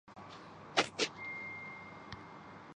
رات خوب نیند آئی